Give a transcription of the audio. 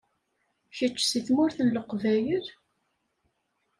Kečč seg Tmurt n Leqbayel?